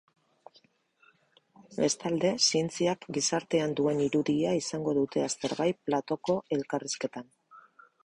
Bestalde, zientziak gizartean duen irudia izango dute aztergai platoko elkarrizketan.